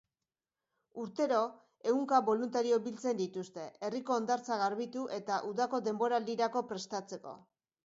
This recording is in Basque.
Urtero, ehunka boluntario biltzen dituzte herriko hondartza garbitu eta udako denboraldirako prestatzeko.